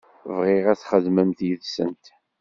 Bɣiɣ ad txedmemt yid-sent.